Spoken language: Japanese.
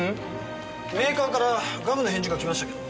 メーカーからガムの返事が来ましたけど。